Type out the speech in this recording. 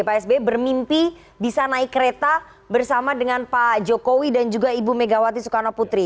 pak sby bermimpi bisa naik kereta bersama dengan pak jokowi dan juga ibu megawati soekarno putri